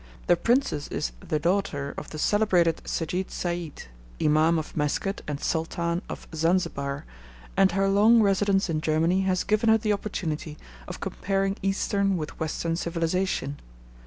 The Princess is the daughter of the celebrated Sejid Said, Imam of Mesket and Sultan of Zanzibar, and her long residence in Germany has given her the opportunity of comparing Eastern with Western civilisation.